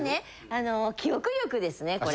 あの記憶力ですねこれ。